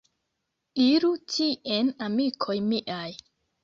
Iru tien amikoj miaj.